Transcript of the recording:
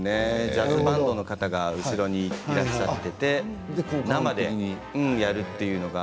ジャズバンドの方が後ろにいらっしゃっていて生でやるというのは。